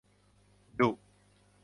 ดุ